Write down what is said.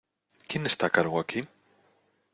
¿ Quién está a cargo aquí?